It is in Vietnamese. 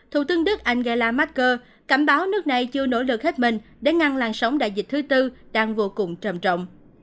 thủ tướng đức angela marker cảnh báo nước này chưa nỗ lực hết mình để ngăn làn sóng đại dịch thứ tư đang vô cùng trầm trọng